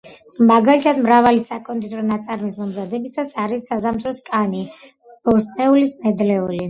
მაგალითად, მრავალი საკონდიტრო ნაწარმის მომზადებისას არის საზამთროს კანი, ბოსტნეულის ნედლეული.